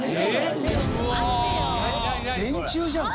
電柱じゃん